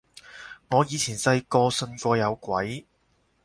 我以前細個信過有鬼